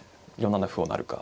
４七歩を成るか。